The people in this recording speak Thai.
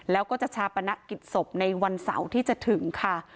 แล้วก็จะชาปนกิจศพในวันเสาร์ที่จะถึงค่ะ